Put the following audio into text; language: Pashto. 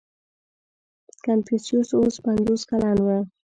• کنفوسیوس اوس پنځوس کلن و.